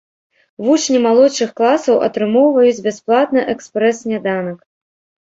Вучні малодшых класаў атрымоўваюць бясплатны экспрэс-сняданак.